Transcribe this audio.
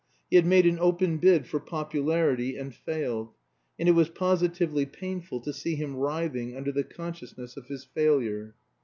He had made an open bid for popularity and failed, and it was positively painful to see him writhing under the consciousness of his failure.